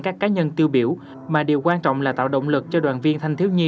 các cá nhân tiêu biểu mà điều quan trọng là tạo động lực cho đoàn viên thanh thiếu nhi